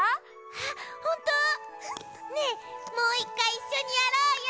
はっほんと⁉ねえもういっかいいっしょにやろうよ！